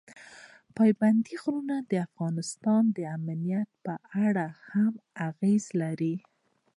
پابندی غرونه د افغانستان د امنیت په اړه هم اغېز لري.